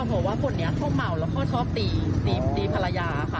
เพราะว่าคนเนี่ยเขาเหมาแล้วเขาชอบตีภรรยาค่ะ